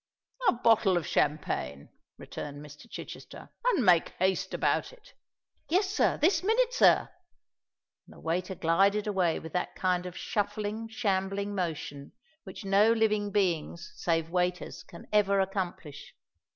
"A bottle of champagne," returned Mr. Chichester; "and make haste about it." "Yes, sir—this minute, sir:"—and the waiter glided away with that kind of shuffling, shambling motion which no living beings save waiters can ever accomplish.